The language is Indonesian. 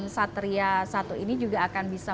satria satu ini juga akan bisa